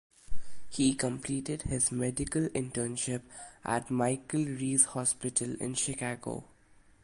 He completed his medical internship at Michael Reese Hospital in Chicago.